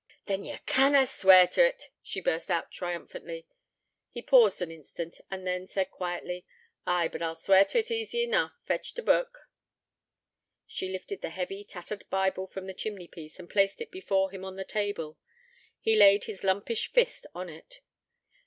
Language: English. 'Then ye canna swear t' it,' she burst out triumphantly. He paused an instant; then said quietly: 'Ay, but I'll swear t' it easy enough. Fetch t' Book.' She lifted the heavy, tattered Bible from the chimney piece, and placed it before him on the table. He laid his lumpish fist on it.